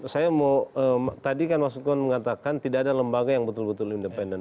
saya mau tadi kan mas sukun mengatakan tidak ada lembaga yang betul betul independen